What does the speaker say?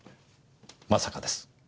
まさかです。